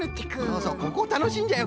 そうそうここたのしいんじゃよ